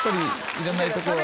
いらないとこは。